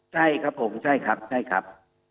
ใช่ครับผมใช่ครับใช่ครับ